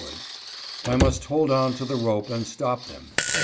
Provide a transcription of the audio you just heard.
would), I must hold on to the rope and stop them.